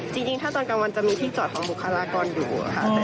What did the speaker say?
จริงถ้าตอนกลางวันจะมีที่จอดของบุคลากรอยู่ค่ะ